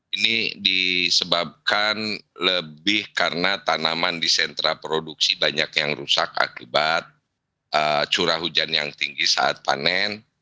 ini disebabkan lebih karena tanaman di sentra produksi banyak yang rusak akibat curah hujan yang tinggi saat panen